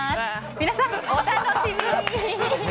皆さん、お楽しみに！